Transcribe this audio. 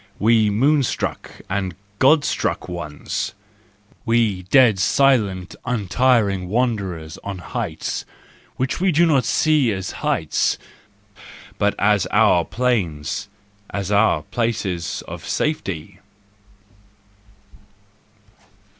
We moon struck and God struck ones! We dead silent, untiring wanderers on heights which we do not see as heights, but as our plains, as our places of safety!